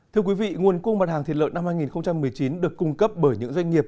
thưa quý vị nguồn cung mặt hàng thịt lợn năm hai nghìn một mươi chín được cung cấp bởi những doanh nghiệp